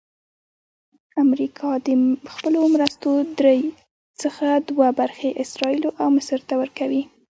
امریکا د خپلو مرستو درې څخه دوه برخې اسراییلو او مصر ته ورکوي.